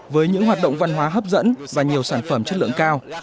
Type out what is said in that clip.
với những hoạt động văn hóa hấp dẫn và nhiều sản phẩm chất lượng cao